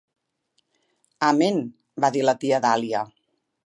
"Amén", va dir la tia Dahlia.